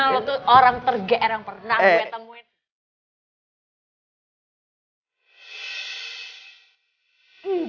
lu tuh orang tergr yang pernah gue temuin